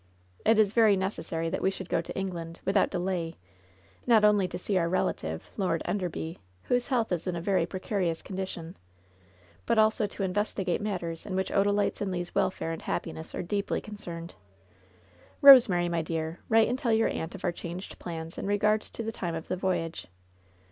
It is very necessary that we should go to England, without delay, not only to see our relative, Lord Enderby, whose health is in a very precarious condition, but also to investigate matters in which Odalite's and Le's welfare and happiness are deeply concerned. Eosemary, my dear, write and tell your aunt of our changed plans in regard to the time of the voyage.